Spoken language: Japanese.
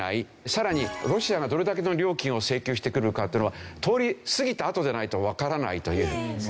さらにロシアがどれだけの料金を請求してくるかっていうのは通りすぎたあとじゃないとわからないという。